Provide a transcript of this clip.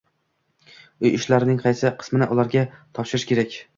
Uy ishlarining qaysi qismini ularga topshirish kerak?